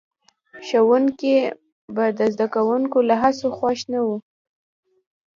ښوونکي به د زده کوونکو له هڅو خوښ نه وو.